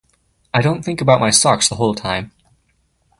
I didn't think about my socks the whole time.